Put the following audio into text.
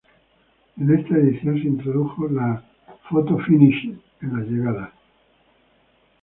En esta edición se introdujo la fhoto-finísh en las llegadas.